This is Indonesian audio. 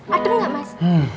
adem gak mas